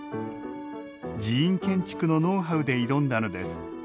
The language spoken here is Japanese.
寺院建築のノウハウで挑んだのです。